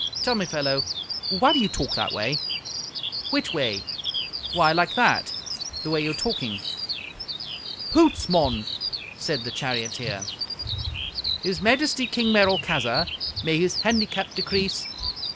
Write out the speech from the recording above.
"Tell me, fellow, why do you talk that way?" "Whitway?" "Why, like that. The way you're talking." "Hoots, mon!" said the charioteer. "His Majesty King Merolchazzar may his handicap decrease!